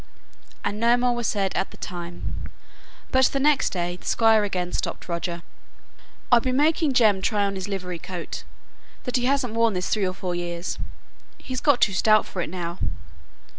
And no more was said at the time; but the next day the Squire again stopped Roger. "I've been making Jem try on his livery coat that he hasn't worn this three or four years, he's got too stout for it now."